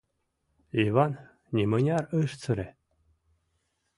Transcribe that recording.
— Йыван нимыняр ыш сыре.